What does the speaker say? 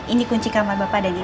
ini kunci kamar bapak dan ibu